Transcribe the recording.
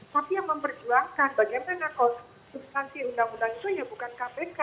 tapi yang memperjuangkan bagaimana substansi undang undang itu ya bukan kpk